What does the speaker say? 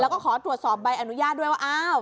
แล้วก็ขอตรวจสอบใบอนุญาตด้วยว่าอ้าว